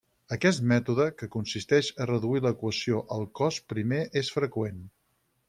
Aquest mètode, que consisteix a reduir l'equació al cos primer és freqüent.